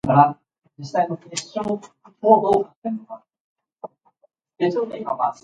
It was the first location in the Vale do Paraiba region to obtain autonomy.